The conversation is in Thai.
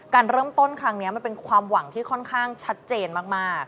การเริ่มต้นครั้งนี้มันเป็นความหวังที่ค่อนข้างชัดเจนมาก